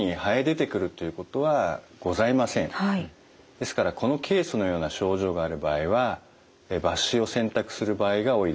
ですからこのケースのような症状がある場合は抜歯を選択する場合が多いです。